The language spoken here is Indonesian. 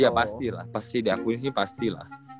ya pasti lah pasti diakuin sih pasti lah